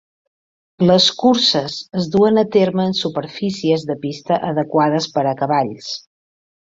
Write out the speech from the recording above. Les curses es duen a terme en superfícies de pista adequades per a cavalls.